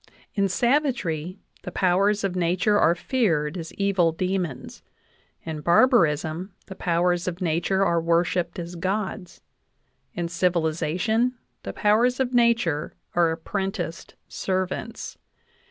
In savagery, the powers of nature are feared as evil demons ; in barbarism, the powers of nature are worshiped as gods; in civilization, the powers of nature are apprenticed servants.